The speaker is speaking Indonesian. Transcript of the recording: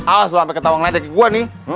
awas lu sampe ketawa ngeliatin gua nih